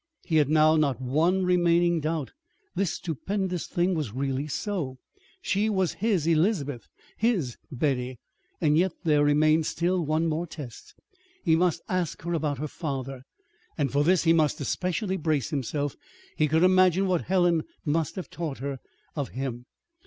He had now not one remaining doubt. This stupendous thing was really so. She was his Elizabeth; his Betty. Yet there remained still one more test. He must ask about her father. And for this he must especially brace himself: he could imagine what Helen must have taught her of him.